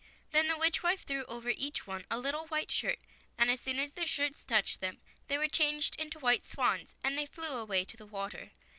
Then the witch wife threw over each one a little white shirt, and as soon as the shirts touched them, they were changed into white swans, and they flew away to the water.